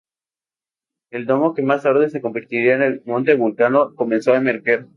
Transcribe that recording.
El domo que más tarde se convertiría en el Monte Vulcano comenzó a emerger.